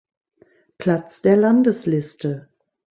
Platz der Landesliste.